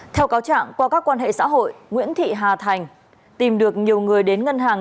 theo cáo trạng qua các quan hệ xã hội nguyễn thị hà thành tìm được nhiều người đến ngân hàng